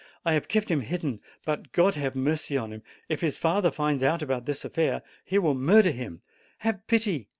I have kept him hidden; but God have mercy on him, if his father finds out about this affair: he will murder him! Have pity!